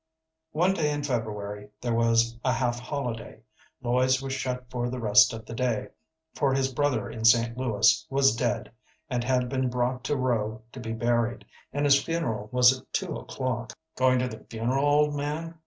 One day in February there was a half holiday. Lloyd's was shut for the rest of the day, for his brother in St. Louis was dead, and had been brought to Rowe to be buried, and his funeral was at two o'clock. "Goin' to the funeral, old man?"